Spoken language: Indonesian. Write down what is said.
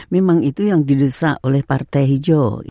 memang itu yang didesak oleh partai hijau